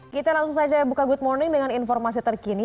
kita langsung saja buka good morning dengan informasi terkini